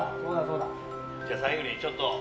じゃあ最後にちょっと。